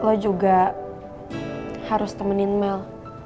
lo juga harus temenin mel